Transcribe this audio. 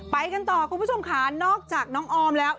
ไปกันต่อคุณผู้ชมค่ะนอกจากน้องออมแล้ว